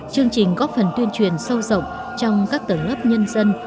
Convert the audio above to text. chương trình góp phần tuyên truyền sâu rộng trong các tầng lớp nhân dân